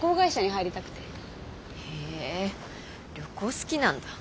へえ旅行好きなんだ。